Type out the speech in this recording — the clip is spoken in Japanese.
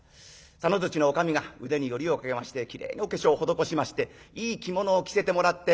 佐野の女将が腕によりをかけましてきれいにお化粧を施しましていい着物を着せてもらって。